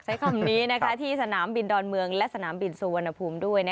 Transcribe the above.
ใช้คำนี้ที่สนามบินดอนเมืองและสนามบินสุวรรณภูมิด้วย